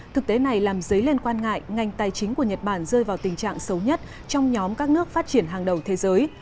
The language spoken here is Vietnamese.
thực tế này làm dấy lên quan ngại ngành tài chính của nhật bản rơi vào tình trạng xấu nhất trong nhóm các nước phát triển hàng đầu thế giới